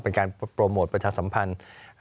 เป็นการโปรโมทประชาสัมพันธ์